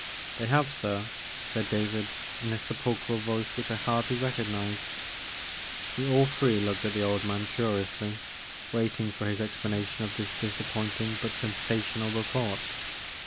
They have, sir," said David in a sepulchral voice which I hardly recognized. We all three looked at the old man curiously, waiting for his explanation of this disappointing but sensational report.